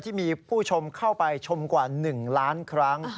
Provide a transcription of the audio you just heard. ที่มีผู้ชมเข้าไปชมกว่า๑ล้านครั้ง